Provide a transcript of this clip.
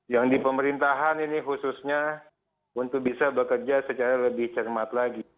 yang di pemerintahan ini khususnya untuk bisa bekerja secara lebih cermat lagi